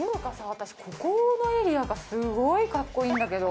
私ここのエリアがすごいかっこいいんだけど。